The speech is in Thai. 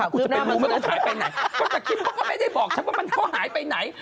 กูจะไปรู้มันก็หายไปไหนแต่คลิปก็ไม่ได้บอกฉันว่ามันเขาหายไปไหน